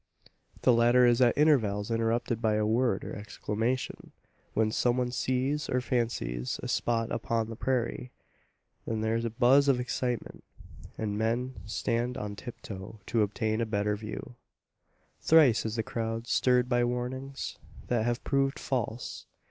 The latter is at intervals interrupted by a word or exclamation when some one sees, or fancies, a spot upon the prairie. Then there is a buzz of excitement; and men stand on tiptoe to obtain a better view. Thrice is the crowd stirred by warnings that have proved false.